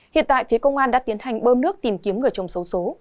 hiện tại phía công an đã tiến hành bơm nước tìm kiếm người chồng xấu số